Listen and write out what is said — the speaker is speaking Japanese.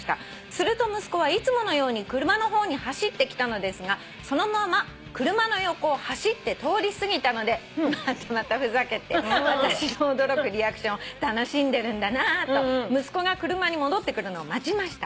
「すると息子はいつものように車の方に走ってきたのですがそのまま車の横を走って通り過ぎたのでまたまたふざけて私の驚くリアクションを楽しんでるんだなと息子が車に戻ってくるのを待ちました」